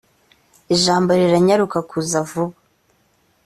ijambo riranyaruka kuza vuba